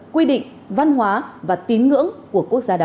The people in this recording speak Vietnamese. quy định văn hóa và tín ngưỡng của quốc gia đó